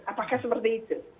apakah seperti itu